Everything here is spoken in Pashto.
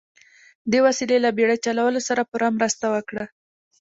دې وسیلې له بیړۍ چلولو سره پوره مرسته وکړه.